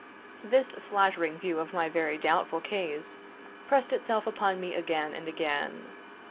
This flattering view of my very doubtful case pressed itself upon me again and again.